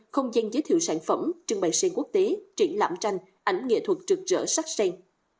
không gian giới thiệu sản phẩm trưng bày sen quốc tế triển lãm tranh ảnh nghệ thuật trực rỡ sắt sen